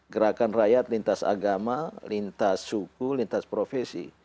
gerakan rakyat lintas agama lintas suku lintas profesi